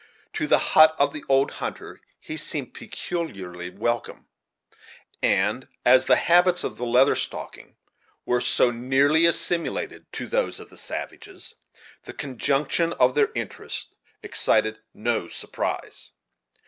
To the hut of the old hunter he seemed peculiarly welcome; and, as the habits of the Leather Stocking were so nearly assimilated to those of the savages, the conjunction of their interests excited no surprise.